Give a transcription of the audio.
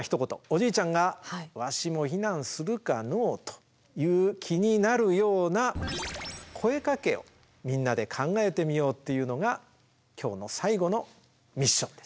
おじいちゃんが「わしも避難するかのう」という気になるような声かけをみんなで考えてみようっていうのが今日の最後のミッションです。